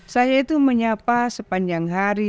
saya itu menyapa sepanjang hari